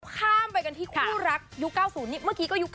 ข้ามไปกันที่คู่รักยุค๙๐นี่เมื่อกี้ก็ยุค๙